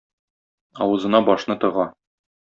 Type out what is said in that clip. Авызына башны тыга.